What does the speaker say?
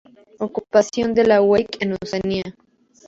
Ocupación de la Wake en Oceanía.